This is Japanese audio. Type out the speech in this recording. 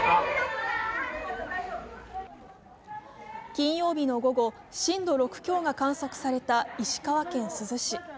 金曜日の午後、震度６強が観測された石川県珠洲市。